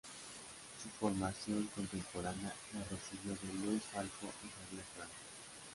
Su formación contemporánea la recibió de Louis Falco y Xavier Francis.